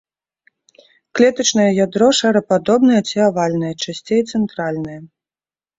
Клетачнае ядро шарападобнае ці авальнае, часцей цэнтральнае.